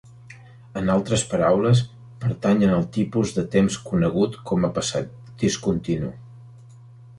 En altres paraules, pertanyen al tipus de temps conegut com a passat discontinu.